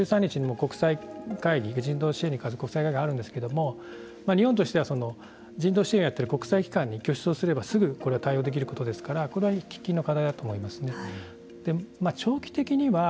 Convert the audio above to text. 来週１３日にも国際会議人道支援の国際会議があるんですけれども日本としては人道支援をやっている国際機関に拠出をすればすぐ対応できることですからこれは喫緊の課題だと思います。